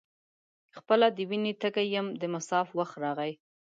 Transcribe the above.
خپله د وینې تږی یم د مصاف وخت راغی.